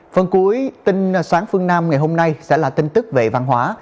phần cuối tin sáng phương nam ngày hôm nay sẽ là tin tức về văn hóa